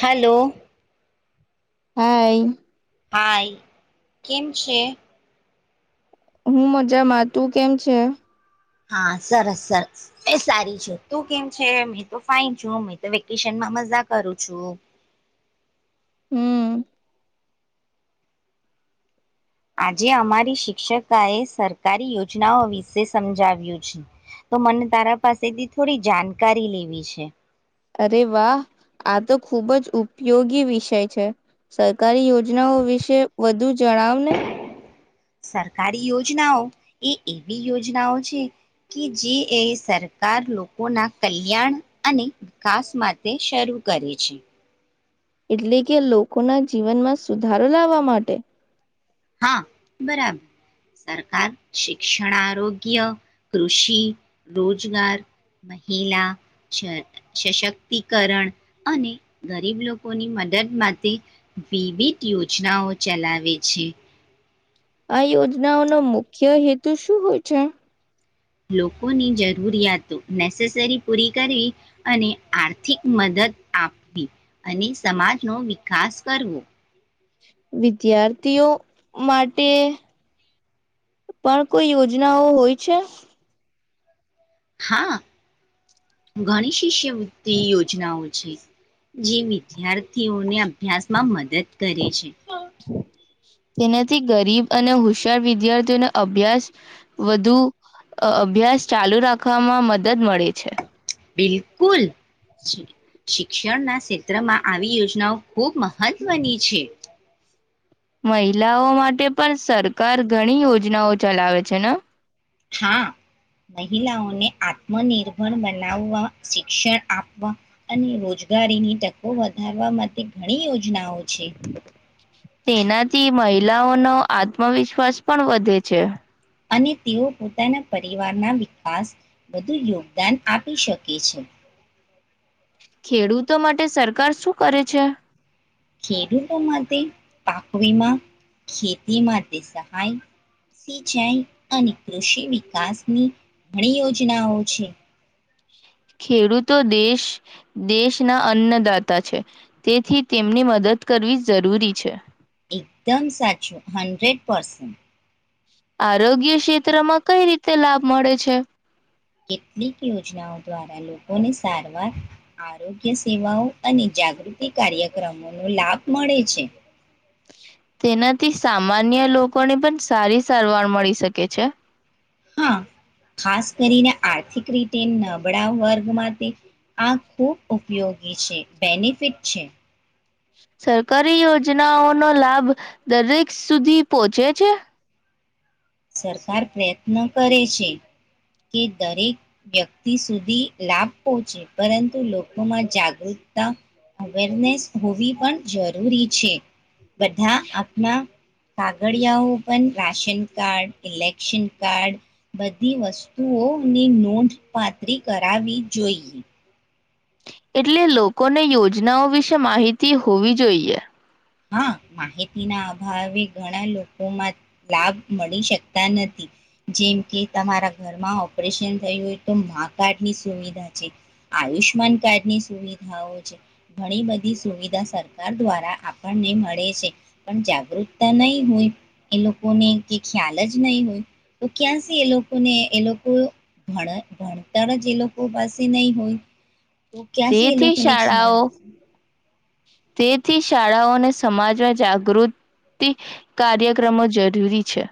Hello hi hi કેમ છે? હું મજામાં, તું કેમ છે? હા સરસ-સરસ એ સારી છે તું કેમ છે? મે તો ફાઈન છું મે તો વેકેશનમાં મજા કરું છું. હમ્મ. આજે અમારી શિક્ષકા એ સરકારી યોજનાઓ વિશે સમજાવ્યું છે તો મને તારા પાસેથી થોડી જાણકારી લેવી છે? અરે વાહ આ તો ખુબ જ ઉપયોગી વિષય છે, સરકારી યોજનાઓ વિશે વધુ જણાવ ને. સરકારી યોજનાઓ એ એવી યોજનાઓ છે કે જે એ સરકાર લોકોના કલ્યાણ અને વિકાસ માટે શરૂ કરે છે. એટલે કે લોકોના જીવનમાં સુધારો લાવવા માટે. હા બરાબર સરકાર શિક્ષણ આરોગ્ય, કૃષિ, રોજગાર મહિલા, સશક્તિકરણ અને ગરીબ લોકોની મદદ માટે વિવિધ યોજનાઓ ચલાવે છે. આ યોજનાઓનો મુખ્ય હેતુ શું હોય છે? લોકોની જરૂરિયાતો નેસેસરી પૂરી કરી અને આર્થિક મદદ આપવી અને સમાજનો વિકાસ કરવો. વિદ્યાર્થીઓ માટે પણ કોઈ યોજનાઓ હોય છે. હાં, ગણીશ. તિષ્યમતી યોજનાઓ. છે, જે વિદ્યાર્થીઓને અભ્યાસમાં મદદ કરે છે. તેનાથી ગરીબ અને હુશ્યાર વિદ્યાર્થીઓને અભ્યાસ વધુ અભ્યાસ ચાલુ રાખવામાં મદદ મળે છે. બિલકુલ, શિ શિક્ષણના સેત્રમાં આવી યોજનાઓ ખૂબ મહત્વની છે. મહિલાઓ માટે પણ સરકાર ઘણી યોજનાઓ ચલાવે છે ને? હા, મહિલાઓને આત્મનિર્ભર બનાવવા શિક્ષણ આપવા અને રોજગારીની તકો વધારવા માટે ઘણી યોજનાઓ છે. તેનાથી મહિલાઓનો આત્મવિશ્વાસ પણ વધે છે. અને તેઓ પોતાના પરિવારના વિકાસ વધુ યોગદાન આપી શકે છે. ખેડૂતો માટે સરકાર શું કરે છે? ખેડૂતો માટે પાક વિમા, ખેતી માટે સહાય, સિંચાઈ અને કૃષિ વિકાસની ઘણી યોજનાઓ છે. ખેડૂતો દેશ દેશના અન્નદાતા છે, તેથી તેમની મદદ કરવી જરૂરી છે. એકદમ સાચું, હન્ડ્રેડ પસ આરોગ્ય સેત્રમાં કઈ રીતે લાભ મળે છે? કેટલીક યોજનાઓ દ્વારા લોકોને સારવાર આરોગ્ય સેવાઓ અને જાગૃતિ કાર્યક્રમોનો લાભ મળે છે. તેનાથી સામાન્ય લોકોને પણ સારી સારવાર મળી શકે છે. હા ખાસ કરીને આર્થિક રીતે નબળા વર્ગ માટે આ ખૂબ ઉપયોગી છે બેનિફિટ છે. સરકારી યોજનાઓનો લાભ દરેક સુધી પોહોંચે છે ને. સરકાર પ્રયત્ન કરે છે કે દરેક વ્યક્તિ સુધી લાભ પહોંચે પરંતુ લોકોમાં જાગૃતતા અવેરનેસ હોવી પણ જરૂરી છે બધા આપણા કાગળિયાઓ પણ રાશન કાર્ડ ઇલેક્શન કાર્ડ બધી વસ્તુઓની નોંધપાત્રી કરાવી જોઈએ. એટલે લોકોને યોજનાઓ વિશે માહિતી હોવી જોઈએ. હા માહિતી ના અભાવે ઘણા લોકોમાં લાભ મળી શકતા નથી જેમ કે તમારા ઘરમાં ઓપરેશન થયું હોય તો કાર્ડની સુવિધા છે આયુષ્માન કાર્ડની સુવિધાઓ છે ઘણી બધી સુવિધા સરકાર દ્વારા આપ પણને મળે છે પણ જાગૃતતા નહી હોય એ લોકોને કે ખ્યાલ જ નહી હોય તો ક્યાંથી એ લોકોને એ લોકો ભ ભણતર જ એ લોકો પાસે નહી હોય. ક્યાં છે એ તેથી લોકોને ખ્યાલ શાળાઓ આવ તેથી શાળાઓ અને સમાજમાં જાગૃતિ કાર્યક્રમો જરૂરી છે.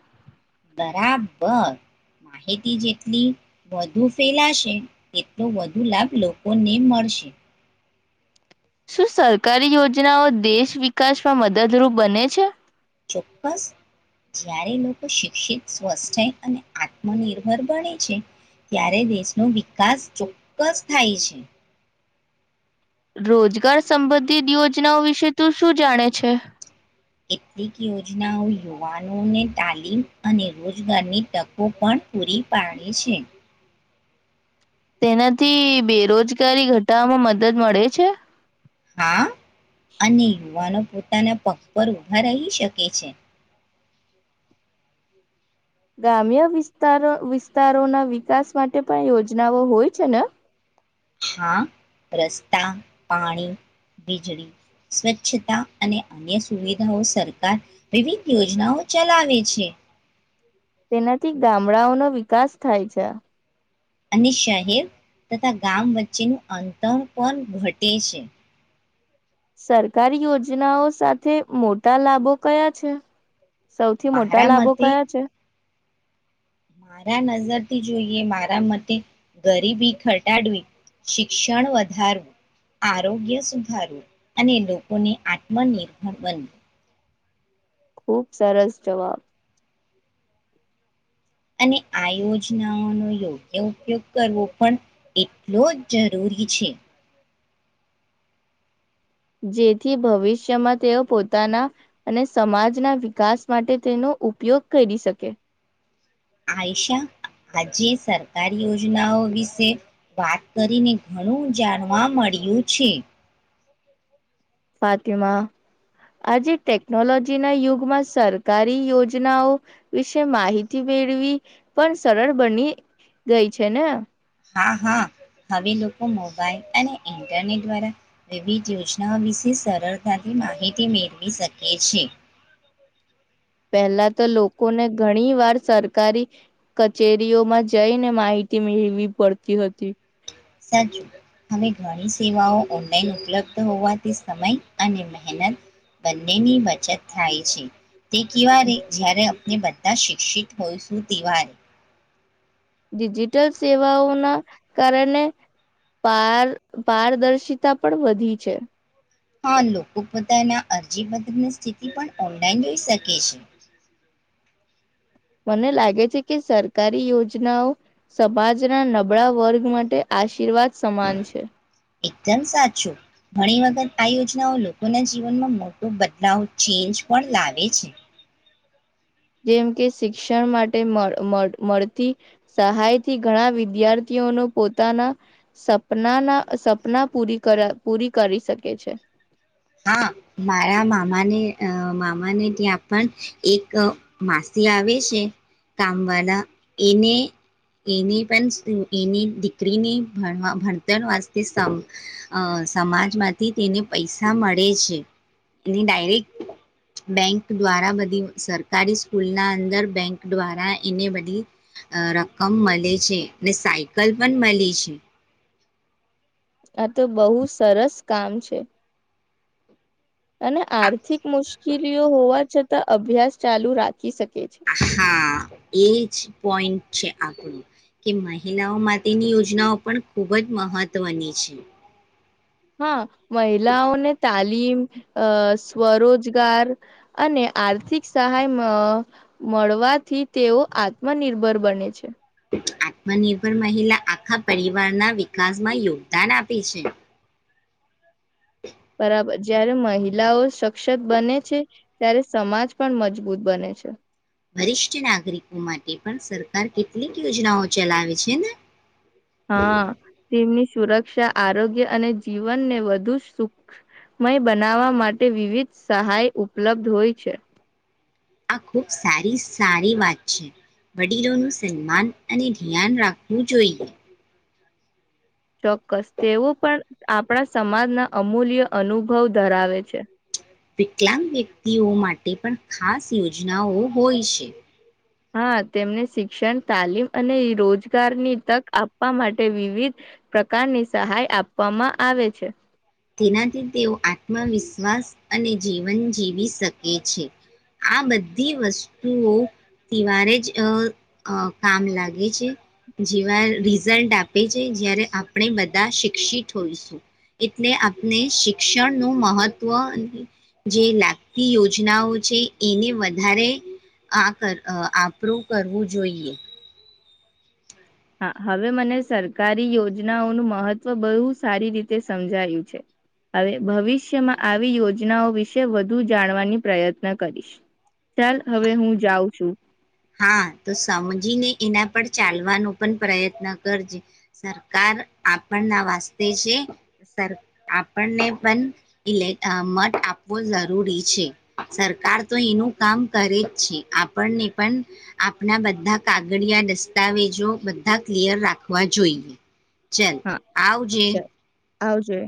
બરાબર માહિતી જેટલી વધુ ફેલાશે તેટલો વધુ લાભ લોકોને મળશે. શું સરકારી યોજનાઓ દેશ વિકાસમાં મદદરૂપ બને છે. ચોક્કસ જ્યારે લોકો શિક્ષિત સ્વસ્થ અને આત્મનિર્ભર બણે છે ત્યારે દેશનો વિકાસ ચોક્કસ થાય છે. રોજગાર સંબંધિત યોજનાઓ વિશે તું શું જાણે છે. કેટલીક યોજનાઓ યુવાનોને તાલીમ અને રોજગારની તકો પણ પૂરી પાડે છે. તેનાથી બેરોજગારી ઘટાવામાં મદદ મળે છે. હા અને યુવાનો પોતાના પગ પર ઊભા રહી શકે છે. ગ્રામ્ય વિસ્તારો વિસ્તારોના વિકાસ માટે પણ યોજનાઓ હોય છે ને? હા રસ્તા, પાણી, વીજળી, સ્વચ્છતા અને અન્ય સુવિધાઓ સરકાર વિવિધ યોજનાઓ ચલાવે છે. તેનાથી ગામડાઓનો વિકાસ થાય છે. અને શહેર તથા ગામ વચ્ચેનું અંતર પણ ઘટે છે. સરકારી યોજનાઓ સાથે મોટા લાભો ક્યાં છે? સૌથી મોટા મારા લાભો મતે ક્યાં છે? મારા નઝરથી જોઈએ મારા મતે ગરીબી ઘટાડવી, શિક્ષણ વધારવું, આરોગ્ય સુધારવું અને લોકોને આત્મનિર્ભર બન ખુબ સરસ જવાબ. અને આ યોજનાઓનો યોગ્ય ઉપયોગ કરવો પણ એટલો જ જરૂરી છે. જેથી ભવિષ્યમાં તેઓ પોતાના અને સમાજના વિકાસ માટે તેનો ઉપયોગ કરી શકે. આયશા, આજે સરકારી યોજનાઓ વિશે વાત કરીને ઘણું જાણવા મળ્યું છે. ફાતિમા, આજે ટેકનોલોજીના યુગમાં સરકારી યોજનાઓ વિશે માહિતી મેળવી પણ સરળ બની ગઈ છે ને! હા હા, હવે લોકો મોબાઈલ અને ઇન્ટરનેટ દ્વારા વિવિધ યોજનાઓ વિશે સરળતાથી માહિતી મેળવી શકે છે. પહેલા તો લોકોને ઘણી વાર સરકારી કચેરીઓમાં જઈને માહિતી મેળવી પડતી હતી. સાચું, હવે ઘણી સેવાઓ ઓનલાઈન ઉપલબ્ધ હોવાથી સમય અને મહેનત બંનેની બચત થાય છે. તે કેવા રે જયારે અ- ને બધા શિક્ષિત હોય, સુતિવાર ડિજિટલ સેવાઓના કારણે પાર પારદર્શિતા પણ વધી છે. હા લોકો પોતાના અરજી બદલીની સ્થિતિ પણ ઓનલાઈન લઈ શકે છે. મને લાગે છે કે સરકારી યોજનાઓ સમાજના નબળા વર્ગ માટે આશીર્વાદ સમાન છે. એકદમ સાચું! ઘણી વખત આ યોજનાઓ લોકોના જીવનમાં મોટો બદલાવ ચેન્જ પણ લાવે છે. જેમ કે શિક્ષણ માટે મળ મળ મળતી સહાયથી ઘણા વિદ્યાર્થીઓનો પોતાના સપનાના સપના પૂરી કર પૂરી કરી શકે છે. હા મારા મામાને અ મામાને ત્યાં પણ એક માસી આવે છે કામ વાલા, એને એની પન [unintelligible] એની દીકરીની ભણવા ભણતર વાસ્તે સ અ સમાજમાંથી તેને પૈ સા મળે છે, એની ડાયરેક્ટ બેંક દ્વારા બધી સરકારી સ્કૂલ ના અંદર બેંક દ્વારા એને બધી અ રકમ મલે છે અને સાયકલ પન મલી છે. આ તો બહુ સરસ કામ છે. અને આ આર્થિક મુશ્કેલીઓ હોવા છતાં અભ્યાસ ચાલુ રાખી શક આહા. એ જ પોઈન્ટ છે, આપણો કે મહિલાઓ માટેની યોજનાઓ પણ ખૂબ જ મહત્વની છે. હં. મહિલાઓને તાલી લીમ અ સ્વરોજગાર અને આર્થિક સહાય મ મળવાથી તેઓ આત્મનિર્ભર બને છે. આત્મનિર્ભર મહિલા આખા પરિવારના વિકાસમાં યોગદાન આપે છે. બરાબર જયારે મહિલાઓ સક્ષત બને છે ત્યારે સમાજ પણ મજબૂત બને છે. વરિષ્ઠ નાગરિકો માટે પણ સરકાર કેટલીક યોજનાઓ ચલાવે છે ને? હા તેમની સુરક્ષા, આરોગ્ય અને જીવનને વધુ સુખ મય બનાવવા માટે વિવિધ સહાય ઉપલબ્ધ હોય છે. આ ખૂબ સારી સારી વાત છે. વડીલોનું સન્માન અને ધ્યાન રાખવું જોઈએ. ચોક્કસ તેઓ પણ આપણા સમાજના અમૂલ્ય અનુભવ ધરાવે છે. વિકલાંગ વ્યક્તિઓ માટે પણ ખાસ યોજનાઓ હોય છે. હા તેમને શિક્ષણ, તાલીમ અને રોજગારની તક આપવા માટે વિવિધ પ્રકારની સહાય આપવામાં આવે છે. તેનાથી તેઓ આત્મવિશ્વાસ અને જીવન જીવી શકે છે. આ બધી વસ્તુઓ તિવારે જ અ અ કામ લાગે છે જેવા રિઝલ્ટ આપે છે જ્યારે આપણે બધા શિક્ષિત હોઈશું એટ એટલે આપને શિક્ષણનું મહત્વ જે લાગતી યોજનાઓ છે એને વધારે આ કર આપરું કરવું જોઈએ. હા હવે મને સરકારી યોજનાઓનું મહત્ત્વ બહુ સારી રીતે સમજાયું છે. હવે ભવિષ્યમાં આવી યોજનાઓ વિશે વધુ જાણવાની પ્રયત્ન કરીશ. ચાલ હવે હું જાઉં છું હા તો સમજીને એના પર ચાલવાનો પણ પ્રયત્ન કરજે સરકાર આપણના વાસ્તે છે. સર આપણને પણ લે મત આપવો જરૂરી છે. સરકાર તો એનું કામ કરે જ છે. આપણને પણ આપણા બધા કાગડિયા દસ્તાવેજો બધા ક્લિયર રાખવા જોઈએ. ચલ હા આવજે ચાલ આવજે